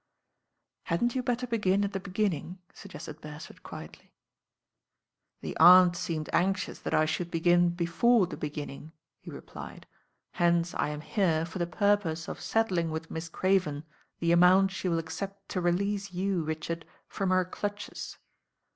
'* "Hadn't you better begin at the beginning?" sug gested Beresford quietly. "The Aunt seemed anxious that I should begin before the beginning," he replied, "hence I am here for the purpose of settling with Miss Craven the amount she will accept to release you, Richard, from her clutches."